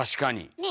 ねえ？